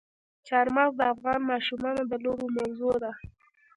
چار مغز د افغان ماشومانو د لوبو موضوع ده.